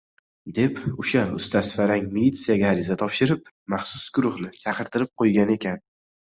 deb o‘sha ustasifarang militsiyaga ariza topshirib, maxsus guruhni chaqirtirib qo‘ygan ekan.